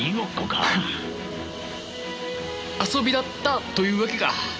遊びだったというわけか。